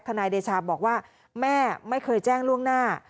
นายเดชาบอกว่าแม่ไม่เคยแจ้งล่วงหน้า